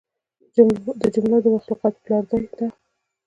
د جمله و مخلوقاتو پلار دى دا.